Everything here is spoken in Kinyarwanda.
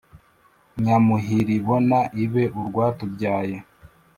nyamuhiribona ibe urwatubyaye